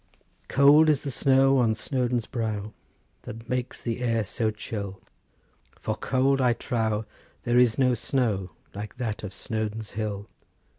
"'Cold is the snow on Snowdon's brow, It makes the air so chill; For cold, I trow, there is no snow Like that of Snowdon's hill.